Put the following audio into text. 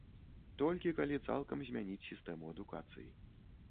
Толькі калі цалкам змяніць сістэму адукацыі.